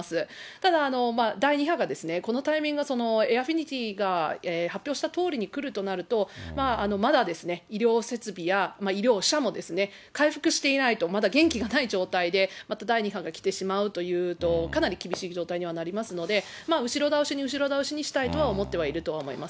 ただ、第２波がこのタイミングはエアフィニティが発表したとおりに来るとなると、まだ、医療設備や医療者も回復していないと、まだ元気がない状態でまた第２波が来てしまうというと、かなり厳しい状態にはなりますので、後ろ倒しに後ろ倒しにしたいとは思っているとは思います。